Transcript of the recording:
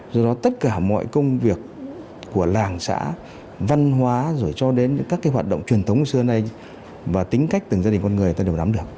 do đó tất cả mọi công việc của làng xã văn hóa rồi cho đến những các cái hoạt động truyền thống xưa nay và tính cách từng gia đình con người ta đều nắm được